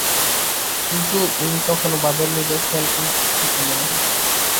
কিন্তু উনি কখনো ভাবেননি যে ফ্যালকোন ওকে মেরে ফেলবে।